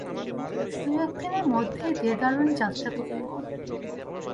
দু-এক দিনের মধ্যেই দেরাদুন যাত্রা করিব।